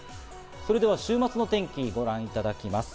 それでは週末のお天気をご覧いただきます。